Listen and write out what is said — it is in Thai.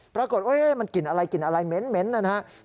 ปรากฏว่ามันกลิ่นอะไรกลิ่นอะไรเหม็นนะครับ